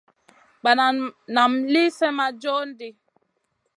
Banan naam lì slèh ma john ɗi.